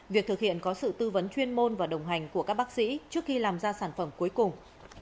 việc thực hiện có sự tư vấn chuyên môn và đồng hành của các bác sĩ trước khi làm ra sản phẩm cuối cùng